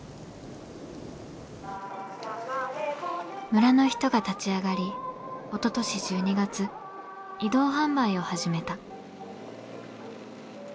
村の人が立ち上がりおととし１２月移動販売を始めた。